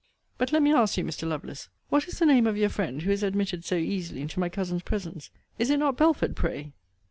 But let me ask you, Mr. Lovelace, what is the name of your friend, who is admitted so easily into my cousin's presence? Is it not Belford, pray?